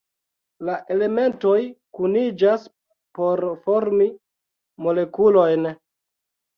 La elementoj kuniĝas por formi molekulojn.